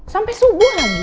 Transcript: sampai subuh lagi